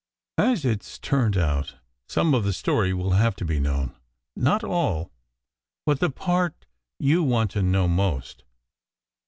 As it s turned out, some of the story will have to be known. Not all but the part you want to know most."